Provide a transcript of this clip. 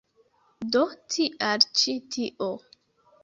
Do tial ĉi tio.